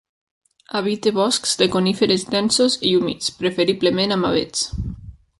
Habita boscs de coníferes densos i humits, preferiblement amb avets.